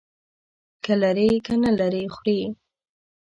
که لري، که نه لري، خوري.